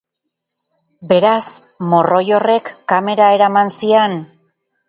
Beraz, morroi horrek kamera eraman zian?